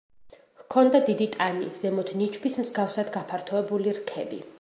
ჰქონდა დიდი ტანი, ზემოთ ნიჩბის მსგავსად გაფართოებული რქები.